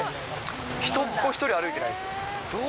人っ子一人歩いてないですよ。